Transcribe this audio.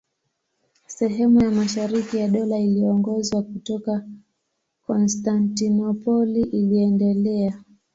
Sehemu ya mashariki ya Dola iliyoongozwa kutoka Konstantinopoli iliendelea.